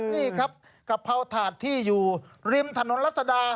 นี่ครับกะเพราถาดที่อยู่ริมถนนรัศดา